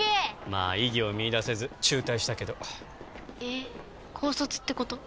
まあ意義を見いだせず中退したけどえっ高卒ってこと？